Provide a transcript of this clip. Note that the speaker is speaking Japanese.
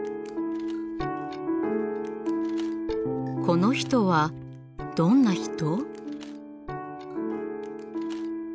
この人はどんな人？